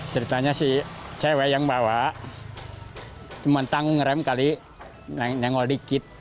ceritanya si cewek yang bawa cuma tanggung rem kali nyengol dikit